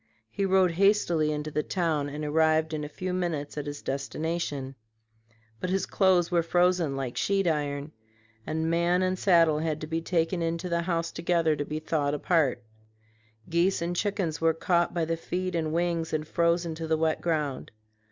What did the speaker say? He rode hastily into the town and arrived in a few minutes at his destination; but his clothes were frozen like sheet iron, and man and saddle had to be taken into the house together to be thawed apart. Geese and chickens were caught by the feet and wings and frozen to the wet ground.